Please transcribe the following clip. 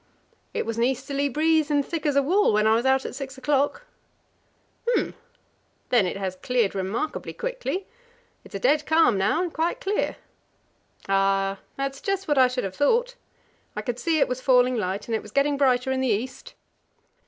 "It was an easterly breeze and thick as a wall, when I was out at six o'clock." "Hm! then it has cleared remarkably quickly. It's a dead calm now, and quite clear." "Ah, that's just what I should have thought! I could see it was falling light, and it was getting brighter in the east."